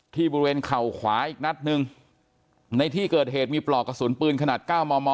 ที่บริเวณเข่าขวาอีกนัดหนึ่งในที่เกิดเหตุมีปลอกกระสุนปืนขนาด๙มม